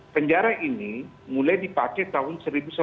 penjara ini mulai dipakai tahun seribu sembilan ratus sembilan puluh